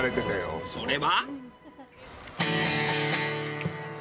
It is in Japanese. それは。